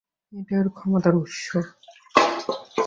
এটাই ওর ক্ষমতার উৎস।